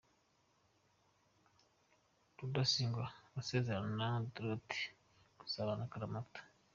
Rudasingwa asezerana na Dorothy kuzabana akaramata